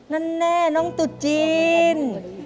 นั่นแน่น้องตุจีน